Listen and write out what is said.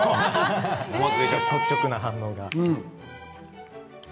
率直な反応が。